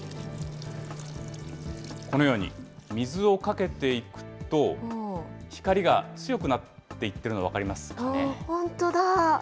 このように、水をかけていくと、光が強くなっていってるの、本当だ。